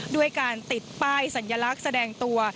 ด้วยการติดป้ายสัญลักษณ์แสดงตัว